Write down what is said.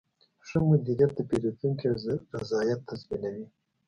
ښه مدیریت د پیرودونکي رضایت تضمینوي.